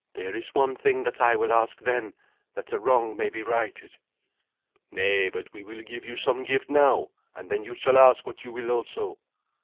There is one thing that I will ask then, that a wrong may be righted." "Nay, but we will give you some gift now, and then you shall ask what you will also."